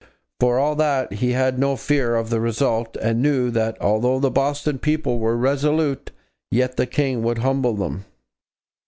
For all that, he had no fear of the result and knew 'that although the Boston people were resolute, yet the King would humble them.'